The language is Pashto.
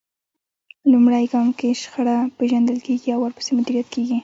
لومړی ګام کې شخړه پېژندل کېږي او ورپسې مديريت کېږي.